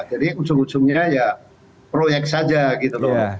jadi ujung ujungnya ya proyek saja gitu loh